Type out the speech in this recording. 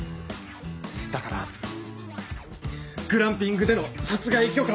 だからグランピングでの殺害許可を。